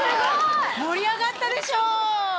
盛り上がったでしょう？